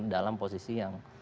dalam posisi yang